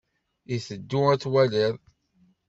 I tedduḍ ad twaliḍ?